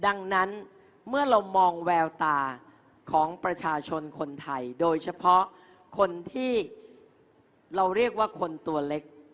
ดังนั้นเมื่อเรามองแววตาของประชาชนคนไทยโดยเฉพาะคนที่เราเรียกว่าคนตัวเล็ก